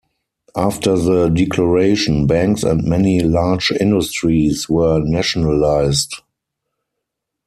After the declaration, banks and many large industries were nationalised.